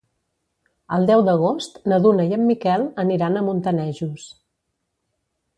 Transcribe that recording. El deu d'agost na Duna i en Miquel aniran a Montanejos.